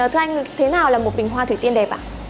thưa anh thế nào là một bình hoa thủy tiên đẹp ạ